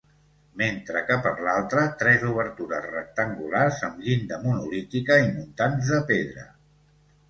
Mentre que per l'altra tres obertures rectangulars amb llinda monolítica i muntants de pedra.